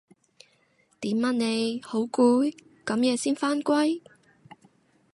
點啊你？好攰？咁夜先返歸